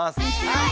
はい！